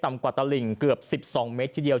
ต่ำกว่าตะหลิงเกือบ๑๒เมตรที่เดียว